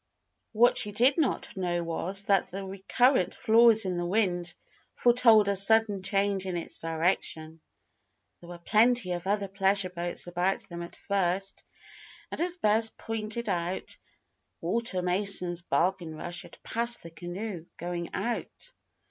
What she did not know was, that the recurrent flaws in the wind foretold a sudden change in its direction. There were plenty of other pleasure boats about them at first; and as Bess pointed out, Walter Mason's Bargain Rush had passed the canoe, going out.